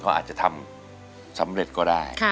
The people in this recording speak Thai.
เขาอาจจะทำสำเร็จก็ได้